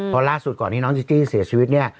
เพราะล่าสุดก่อนที่น้องจิจี้เสียชีวิตเนี่ย